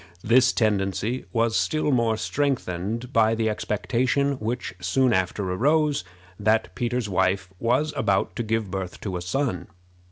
This tendency was still more strengthened by the expectation which soon after arose, that Peter's wife was about to give birth to a son.